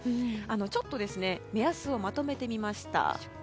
ちょっと目安をまとめてみました。